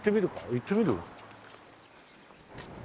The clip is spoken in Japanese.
行ってみる？